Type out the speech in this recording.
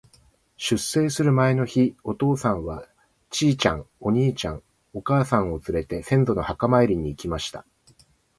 出征する前の日、お父さんは、ちいちゃん、お兄ちゃん、お母さんをつれて、先祖の墓参りに行きました。